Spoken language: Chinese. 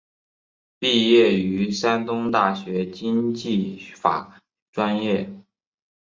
毕业于山东大学经济法专业。